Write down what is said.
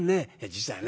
実はね